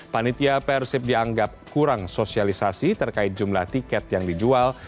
panitia persib dianggap kurang sosialisasi terkait jumlah tiket yang dijual